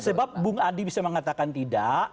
sebab bung adi bisa mengatakan tidak